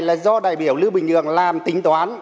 là do đại biểu lưu bình nhưỡng làm tính toán